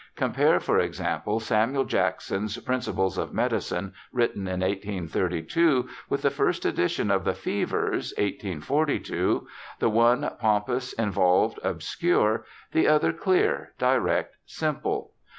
Compare, for example, Samuel Jackson's Principles of Medicine, written in 1832, with the first edition of the Fevers (1842) — the one pompous, involved, obscure; the other clear, direct, simple.